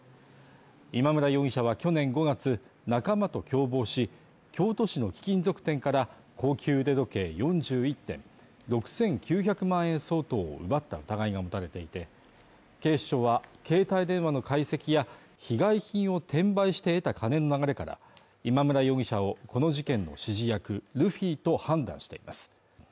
今村容疑者は去年５月、仲間と共謀し、京都市の貴金属店から高級時計４１点６９００万円相当を奪った疑いが持たれていて、警視庁は、携帯電話の解析や被害品を転売して得た金の流れから今村容疑者をこの事件の指示役ルフィと判断しています。